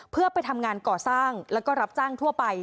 เพื่อไปทำงานก่อสร้างแล้วก็รับจ้างทั่วไป